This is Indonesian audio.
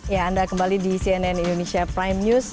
ya anda kembali di cnn indonesia prime news